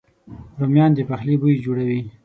رومیان د پخلي بوی جوړوي